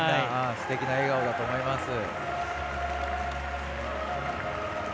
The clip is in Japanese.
すてきな笑顔だと思います。